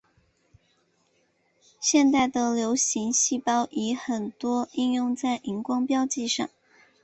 现代的流式细胞仪很多应用在荧光标记上。